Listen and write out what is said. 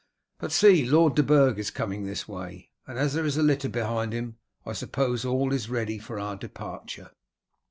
But see, Lord de Burg is coming this way, and as there is a litter behind him I suppose all is ready for our departure."